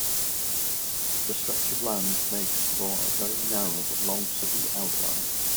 The stretch of land makes for a very narrow but long city outline.